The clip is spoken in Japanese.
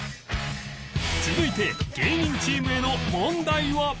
続いて芸人チームへの問題は